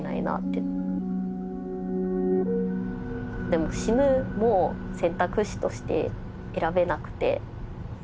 でも「死ぬ」も選択肢として選べなくて。